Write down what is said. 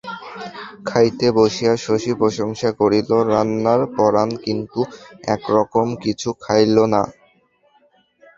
খাইতে বসিয়া শশী প্রশংসা করিল রান্নার, পরাণ কিন্তু একরকম কিছু খাইল না।